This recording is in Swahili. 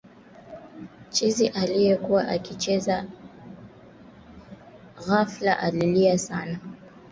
Rwanda sasa inataka Jamhuri ya Kidemokrasia ya Kongo kuchunguzwa kutokana na shutuma zake dhidi ya Rwanda